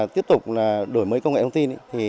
tiếp tục đổi mới công nghệ thông tin